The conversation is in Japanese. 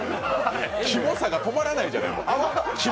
キモさが止まらないじゃないですか。